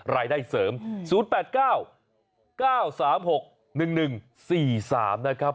รายได้เสริม๐๘๙๙๓๖๑๑๔๓นะครับ